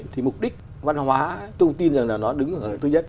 thì mục đích văn hóa tôi không tin là nó đứng ở thứ nhất